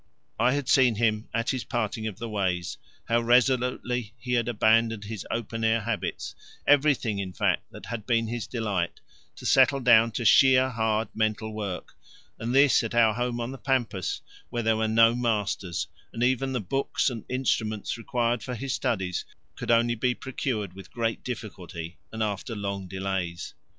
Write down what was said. I had seen him at his parting of the ways, how resolutely he had abandoned his open air habits, everything in fact that had been his delight, to settle down to sheer hard mental work, and this at our home on the pampas where there were no masters, and even the books and instruments required for his studies could only be procured with great difficulty and after long delays.